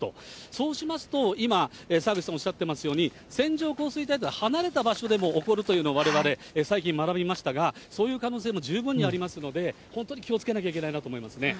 そうしますと、今、澤口さんおっしゃっていますように、線状降水帯というのは離れた場所でも起こるというのはわれわれ、最近学びましたが、そういう可能性も十分にありますので、本当に気を付けなきゃいけないなと思いますね。